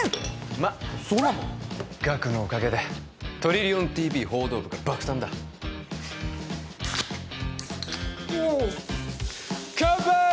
まっガクのおかげでトリリオンＴＶ報道部が爆誕だおおっカンパーイ！